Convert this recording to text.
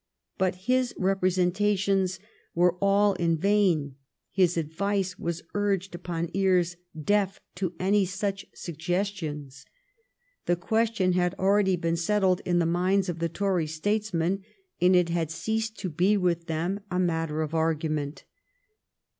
But his representations were all in vain, his advice was urged upon ears deaf to any such suggestions. The question had already been settled in the minds of the Tory statesmen, and it had ceased to be with them a matter of argument.